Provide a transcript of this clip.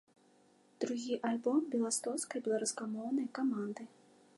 Другі альбом беластоцкай беларускамоўнай каманды.